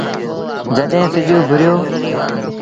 جڏهيݩ سڄ اُڀريو ۔